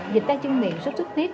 dịch tay chân miệng rất sức thiết